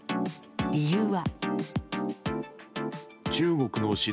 理由は。